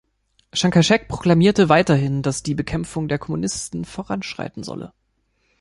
Chiang Kai-shek proklamierte weiterhin, dass die Bekämpfung der Kommunisten voranschreiten solle.